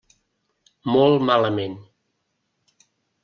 Molt malament.